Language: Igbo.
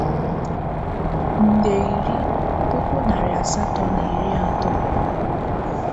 Nde iri, puku narị asatọ na iri atọ